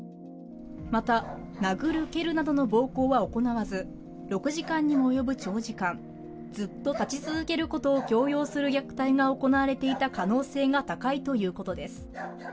また、殴る蹴るなどの暴行は行わず、６時間にも及ぶ長時間、ずっと立ち続けることを強要する虐待が行われていた可能性が高いということです。